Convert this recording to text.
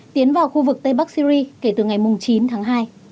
tiến vào khu vực tây bắc syri kể từ ngày chín tháng hai